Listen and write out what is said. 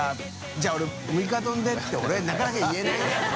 じゃあ俺六日丼で」って俺なかなか言えないよ。